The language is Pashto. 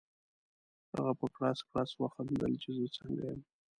هغه په کړس کړس وخندل چې زه څنګه یم؟